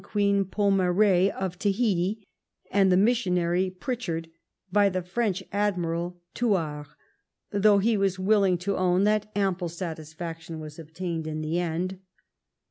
98 Qaeen Po3iar6 of Tahiti and the missionary Pritchard by the French Admiral Thouars, though he was willing to own that ample satisfaction was obtained in the end.